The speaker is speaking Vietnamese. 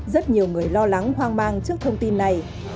rất nhiều người lo lắng hoang mang trước thông tin này